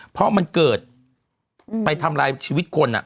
เพราะมันเกิดไปทำลายชีวิตคน